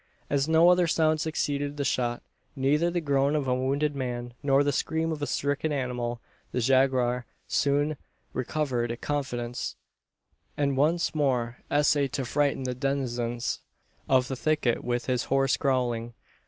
As no other sound succeeded the shot neither the groan of a wounded man, nor the scream of a stricken animal the jaguar soon recovered confidence, and once more essayed to frighten the denizens of the thicket with his hoarse growling.